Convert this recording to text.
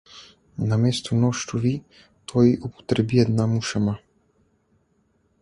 Наместо нощови той употреби една мушама.